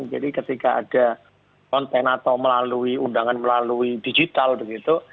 jadi ketika ada konten atau melalui undangan melalui digital begitu